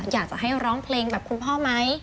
อยากจะให้ร้องเพลงแบบคุณพ่อไหม